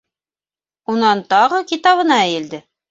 Унан тағы китабына эйелде.